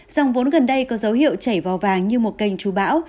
dòng vốn gần đây có dấu hiệu chảy vào vàng như một cành trú bão